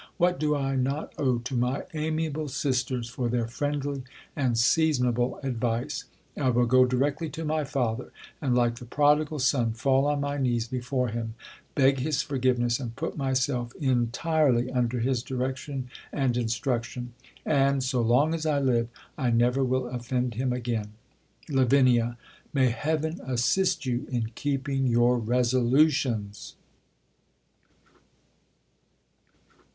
What do I not owe to my amiable sisters for their friendly and seasonable advice ! I will go directly to my father, and, like the prodigal, son, fall on my knees before him, beg his forgiveness,, and put myself entirely under his direction and instruc tion ; and, so long as I live, I never will offend him again. Lav, May Heaven assist jou in keeping your reso lutions